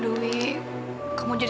dia sudah terbands